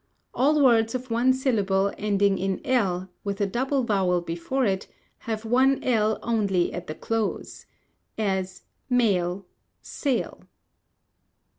All words of one syllable ending in l, with a double vowel before it, have one l only at the close: as, mail, sail.